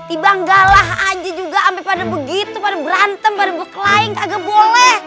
inggalah aja juga am obteng begitu particip dedimu klien kannen boleh